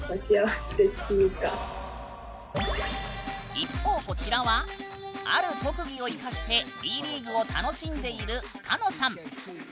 一方、こちらはある特技を生かしてＢリーグを楽しんでいるかのさん。